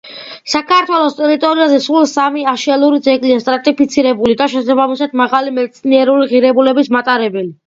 საქართველოს ტერიტორიაზე სულ სამი აშელური ძეგლია სტრატიფიცირებული და, შესაბამისად, მაღალი მეცნიერული ღირებულების მატარებელი.